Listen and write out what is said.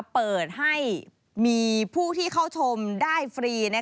เปิดให้มีผู้ที่เข้าชมได้ฟรี